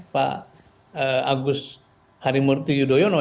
pak agus harimurti yudhoyono